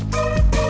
tete aku mau